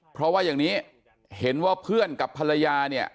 เพราะว่าอย่างนี้เห็นว่าเพื่อนกับภรรยาเนี่ย